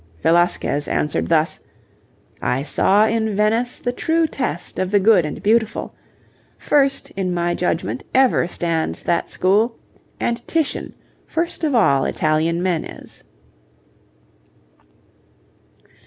Velasquez answered thus: 'I saw in Venice The true test of the good and beautiful; First, in my judgment, ever stands that school, And Titian first of all Italian men is.'